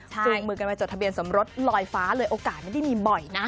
จูงมือกันมาจดทะเบียนสมรสลอยฟ้าเลยโอกาสไม่ได้มีบ่อยนะ